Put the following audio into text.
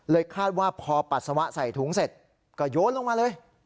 คาดว่าพอปัสสาวะใส่ถุงเสร็จก็โยนลงมาเลย